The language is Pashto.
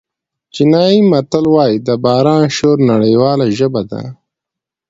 چینایي متل وایي د باران شور نړیواله ژبه ده.